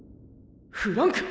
フランク？